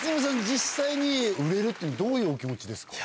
実際に売れるってのはどういうお気持ちですか？